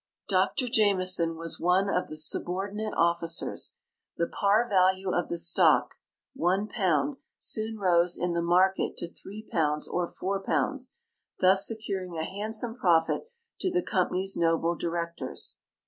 Dr Jameson was one of the subordinate officers. The par value of the stock, £1, soon rose in the market to £3 or £4, thus securing a handsome profit to the companj^'s noble directors.